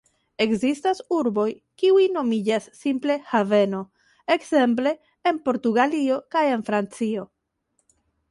Ekzistas urboj, kiuj nomiĝas simple "haveno", ekzemple en Portugalio kaj en Francio.